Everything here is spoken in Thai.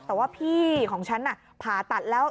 แต่ว่าพี่ของฉันผ่าตัดแล้ว